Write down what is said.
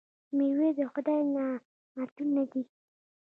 میوې د خدای نعمتونه دي.